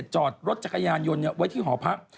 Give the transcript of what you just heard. จอดรถจักรยานยนต์ไว้ที่หอพัก